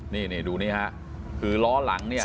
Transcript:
นี่ดูนี่ฮะคือล้อหลังเนี่ย